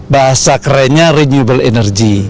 bahasa kerennya renewable energy